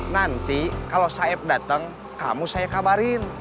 nanti kalau saib datang kamu saya kabarin